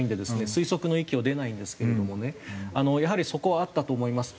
推測の域を出ないんですけれどもねやはりそこはあったと思います。